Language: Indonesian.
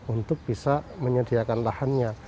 untuk bisa menyediakan lahannya